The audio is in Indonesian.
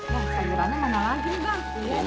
sajurannya mana lagi bang